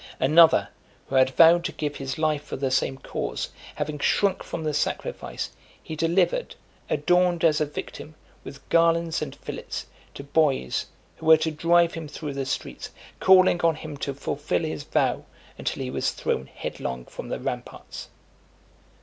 Another, who had vowed to give his life for the same cause, having shrunk from the sacrifice, he delivered, adorned as a victim, with garlands and fillets, to boys, who were to drive him through the streets, calling on him to fulfil his vow, until he was thrown headlong from the ramparts.